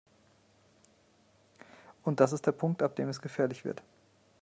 Und das ist der Punkt, ab dem es gefährlich wird.